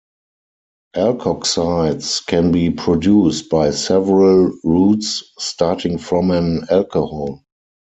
Alkoxides can be produced by several routes starting from an alcohol.